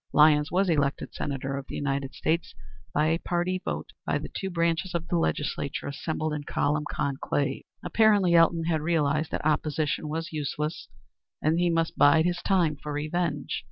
Lyons was elected Senator of the United States by a party vote by the two branches of the Legislature assembled in solemn conclave. Apparently Elton had realized that opposition was useless, and that he must bide his time for revenge.